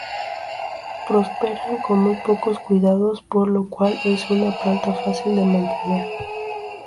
Prosperan con muy pocos cuidados, por lo cual es una planta fácil de mantener.